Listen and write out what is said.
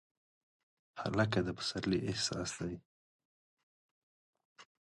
هلک د پسرلي احساس دی.